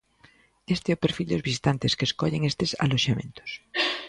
Este é o perfil dos visitantes que escollen estes aloxamentos.